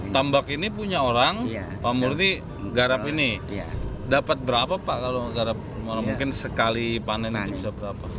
tambak ini punya orang pak multi garap ini dapat berapa pak kalau garap mungkin sekali panen itu bisa berapa